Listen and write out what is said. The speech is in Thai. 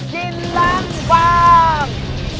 กินล้างบาง